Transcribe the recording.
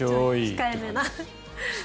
控えめな。